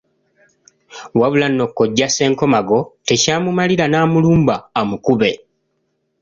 Wabula no kojja Ssenkomago tekyamumalira n'amulumba amukube..